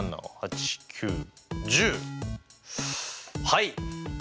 はい。